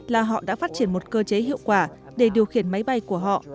là họ đã phát triển một cơ chế hiệu quả để điều khiển máy bay của họ